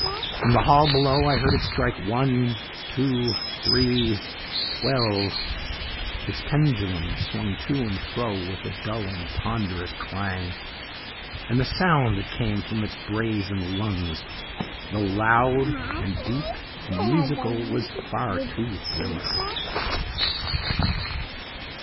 "From the hall below I heard it strike one, two, three twelve! "Its pendulum swung to and fro with a dull and ponderous clang, and the sound that came from its brazen lungs, though loud and deep and musical, was far too thrilling.